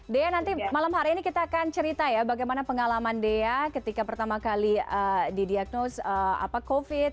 dea nanti malam hari ini kita akan cerita ya bagaimana pengalaman dea ketika pertama kali didiagnose covid